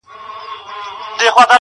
انساني ارزښتونه کمزوري کيږي ډېر,